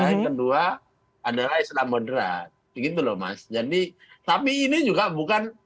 yang kedua adalah islam moderat begitu loh mas jadi tapi ini juga bukan